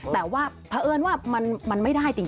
แต่ว่าเพราะเอิญว่ามันไม่ได้จริง